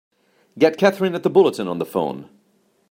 Get Katherine at the Bulletin on the phone!